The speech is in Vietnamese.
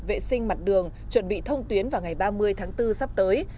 vệ sinh mặt đường chuẩn bị thông tuyến vào ngày ba mươi tháng bốn sắp tới